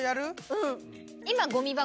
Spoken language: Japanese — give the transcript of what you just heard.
うん。